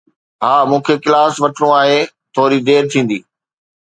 ها، مون کي ڪلاس وٺڻو آهي. ٿوري دير ٿيندي.